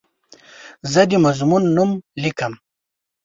زه د مضمون نوم لیکم.